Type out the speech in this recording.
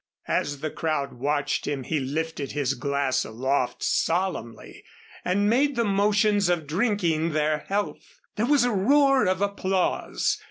As the crowd watched him he lifted his glass aloft solemnly and made the motions of drinking their health. There was a roar of applause.